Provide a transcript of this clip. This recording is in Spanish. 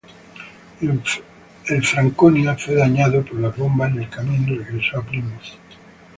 El "Franconia" fue dañado por las bombas en el camino y regresó a Plymouth.